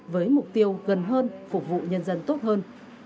với mục tiêu gần hơn phục vụ nhân dân tốt hơn